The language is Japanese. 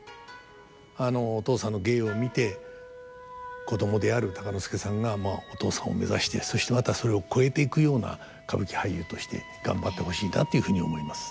あのお父さんの芸を見て子供である鷹之資さんがお父さんを目指してそしてまたそれを超えていくような歌舞伎俳優として頑張ってほしいなっていうふうに思います。